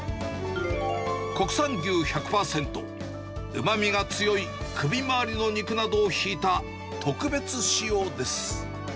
国産牛１００％、うまみが強い首回りの肉などをひいた特別仕様です。